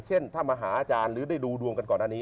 เช่นถ้ามาหาอาจารย์หรือได้ดูดวงกันก่อนอันนี้